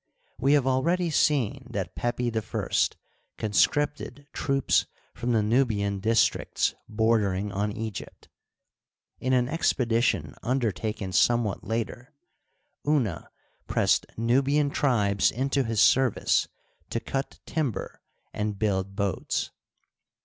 We have already seen that Pepi I conscripted troops from the Nubian dis tricts bordering on Egypt. In an expedition undertaken Digitized byCjOOQlC 44 HISTORY OF EGYPT, somewhat later Una pressed Nubian tribes into his service to cut timber and build boats.